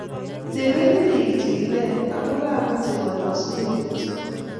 tebenin biik chikilet, ako kaa mochei kalosunet kityo